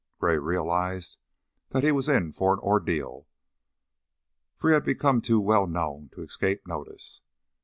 Gray realized that he was in for an ordeal, for he had become too well known to escape notice.